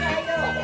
aku kenceng aja